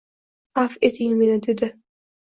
Afv eting meni... — dedi. —